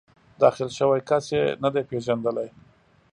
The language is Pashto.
داخل شوی کس یې نه دی پېژندلی.